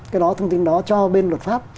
cái đó thông tin đó cho bên luật pháp